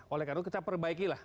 oleh karena itu kita perbaikilah